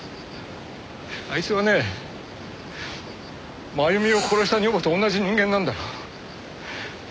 あいつはね真由美を殺した女房と同じ人間なんだよ。